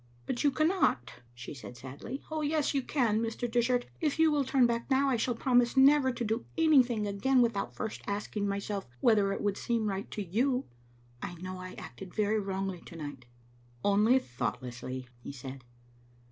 "But you cannot," she said, sadly. "Oh, yes, you can, Mr. Dishart. If you will turn back now I shall promise never to do anything again without first asking myself whether it would seem right to you. I know I acted very wrongly to night." "Only thoughtlessly," he said.